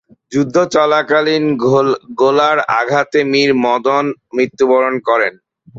যুদ্ধ চলাকালীন গোলার আঘাতে মীর মদন মৃত্যুবরণ করেন।